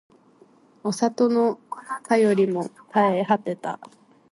お里の便りも絶え果てた